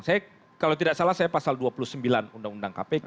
saya kalau tidak salah saya pasal dua puluh sembilan undang undang kpk